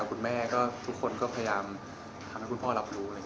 คุณแม่ก็ทุกคนก็พยายามทำให้คุณพ่อรับรู้